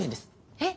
えっ？